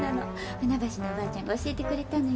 船橋のお婆ちゃんが教えてくれたのよ。